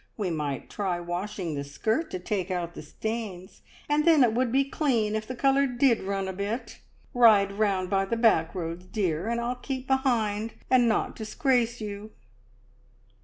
We might try washing the skirt to take out the stains, and then it would be clean, if the colour did run a bit! Ride round by the back roads, dear, and I'll keep behind, and not disgrace you!"